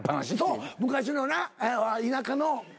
そう昔のな田舎の。